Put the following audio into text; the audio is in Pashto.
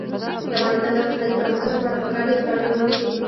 د افغانستان د اقتصادي پرمختګ لپاره پکار ده چې پانګونه وشي.